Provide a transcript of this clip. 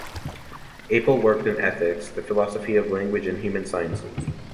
Apel worked in ethics, the philosophy of language and human sciences.